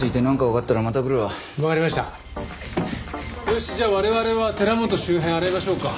よしじゃあ我々は寺本周辺洗いましょうか。